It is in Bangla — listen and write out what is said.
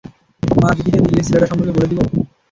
মা, দিদিকে দিল্লির ছেলেটা সম্পর্কে বলে দিবো?